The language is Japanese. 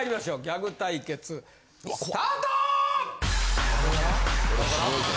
ギャグ対決スタート！